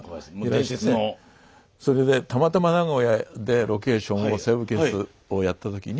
それでたまたま名古屋でロケーションを「西部警察」をやった時に。